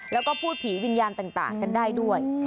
แล้วก็พูดผีวิญญาณต่างกันได้ด้วย